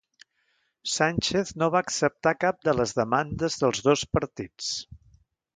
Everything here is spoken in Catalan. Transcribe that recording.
Sánchez no va acceptar cap de les demandes dels dos partits